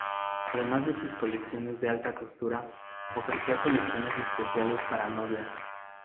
Además de sus colecciones de alta costura, ofrecía colecciones especiales para novias.